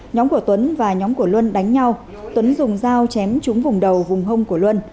nhóm của tuấn và nhóm của luân đánh nhau tuấn dùng dao chém trúng vùng đầu vùng hông của luân